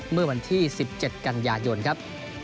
เมื่อวันที่๑๗กันยายนครับ